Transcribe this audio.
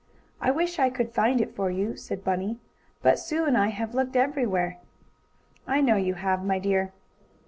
"I wish I could find it for you," said Bunny. "But Sue and I have looked everywhere." "I know you have, my dear."